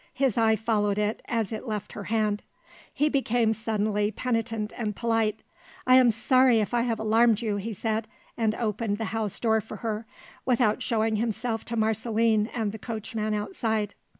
His eye followed it, as it left her hand: he became suddenly penitent and polite. "I am sorry if I have alarmed you," he said, and opened the house door for her without showing himself to Marceline and the coachman outside.